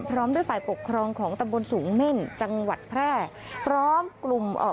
พร้อมด้วยฝ่ายปกครองของตำบลสูงเม่นจังหวัดแพร่พร้อมกลุ่มเอ่อ